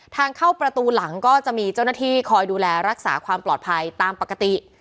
ทางเข้าประตูหลังก็จะมีเจ้าหน้าที่คอยดูแลรักษาความปลอดภัยตามปกติ